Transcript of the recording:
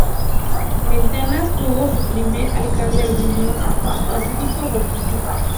Ventanas tuvo su primer alcalde al Sr. Pacífico Gordillo.